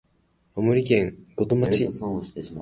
青森県五戸町